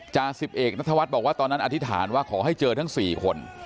จ๑๑นัทวัฒน์บอกว่าตอนนั้นอธิษฐานว่าขอให้เจอทั้งสี่คน